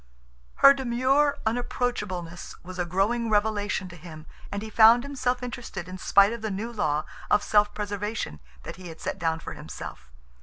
Her demure unapproachableness was a growing revelation to him, and he found himself interested in spite of the new law of self preservation he had set down for himself.